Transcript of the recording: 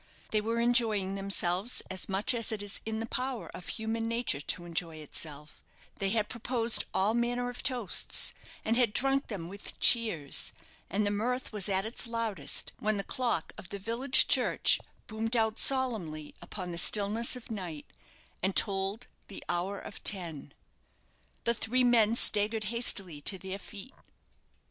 They were enjoying themselves as much as it is in the power of human nature to enjoy itself; they had proposed all manner of toasts, and had drunk them with cheers, and the mirth was at its loudest when the clock of the village church boomed out solemnly upon the stillness of night, and tolled the hour of ten. The three men staggered hastily to their feet.